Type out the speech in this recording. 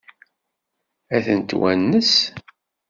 Ad ten-twanes?